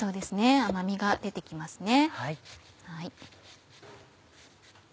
甘みが出て来ますね。